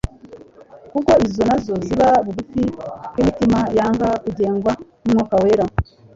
kuko izo na zo ziba bugufi bw'imitima yanga kugengwa n'Umwuka wera.